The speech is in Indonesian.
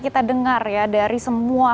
kita dengar ya dari semua